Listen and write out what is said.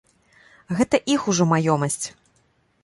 Гэта іх ужо маёмасць.